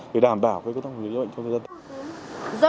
để đảm bảo với công tác phòng chống dịch bệnh cho dân